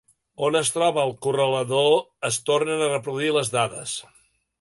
On es troba el correlador es tornen a reproduir les dades.